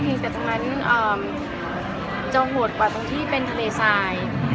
แต่จากนั้นจะโหดกว่าตรงที่เป็นทะเลสาย